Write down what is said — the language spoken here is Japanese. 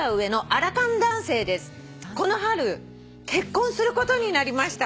「この春結婚することになりました」